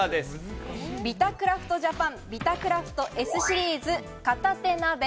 ビタクラフトジャパンビタクラフトＳシリーズ片手鍋。